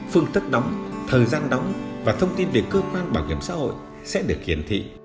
phương thức đóng thời gian đóng và thông tin về cơ quan bảo hiểm xã hội sẽ được hiển thị